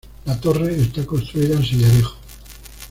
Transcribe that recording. La torre está construida en sillarejo.